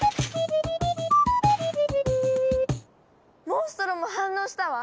モンストロも反応したわ！